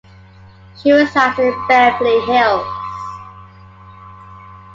She resides in Beverly Hills.